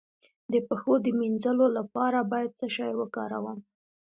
د پښو د مینځلو لپاره باید څه شی وکاروم؟